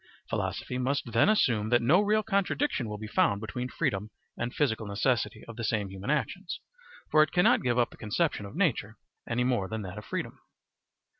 Philosophy must then assume that no real contradiction will be found between freedom and physical necessity of the same human actions, for it cannot give up the conception of nature any more than that of freedom.